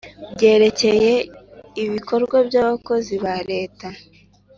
byerekeye ibikorwa by’abakozi ba leta,